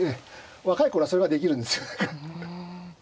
若い頃はそれができるんですよ。